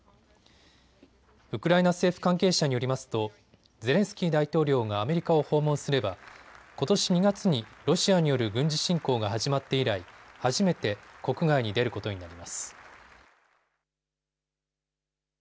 ウクライナ政府関係者によりますとゼレンスキー大統領がアメリカを訪問すればことし２月にロシアによる軍事侵攻が始まって以来初めて国外に出ることになります。